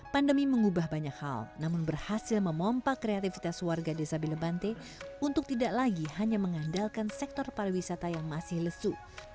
pandemi mengubah banyak hal namun berhasil memompak kreativitas warga desa bilebante untuk tidak lagi hanya mengandalkan sektor pariwisata yang masih lesu